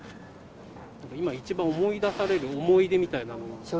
今一番思い出される思い出みたいなもの。笑